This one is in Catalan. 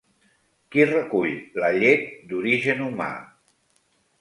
Qui recull la llet d'origen humà?